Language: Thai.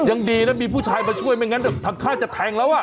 ยังดีนะมีผู้ชายมาช่วยไม่งั้นทำท่าจะแทงแล้วอ่ะ